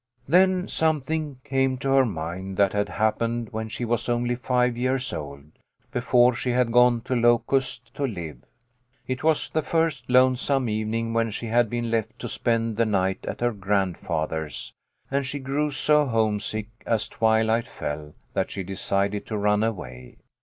Then something came to her mind that had hap pened when she was only five years old, before she had gone to Locust to live. It was that first lone some evening when she had been left to spend the night at her grandfather's, and she grew so homesick as twilight fell that she decided to run away.